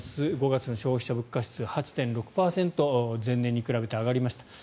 ５月の消費者物価指数８．６％前年に比べて上がりました。